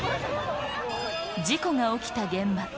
事故が起きた現場。